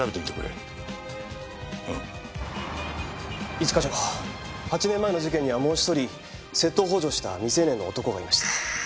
一課長８年前の事件にはもう一人窃盗を幇助した未成年の男がいました。